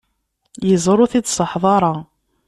Yeẓra ur t-id-ṣaḥeḍ ara.